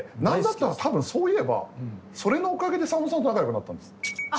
何だったら多分そういえばそれのおかげで澤本さんと仲よくなったんです。